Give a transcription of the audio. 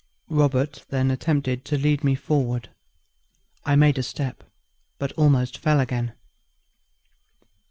Robert then attempted to lead me forward. I made a step, but almost fell again.